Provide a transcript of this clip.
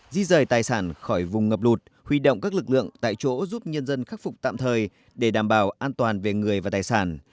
di rời tài sản khỏi vùng ngập lụt huy động các lực lượng tại chỗ giúp nhân dân khắc phục tạm thời để đảm bảo an toàn về người và tài sản